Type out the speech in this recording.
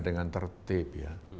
dengan tertib ya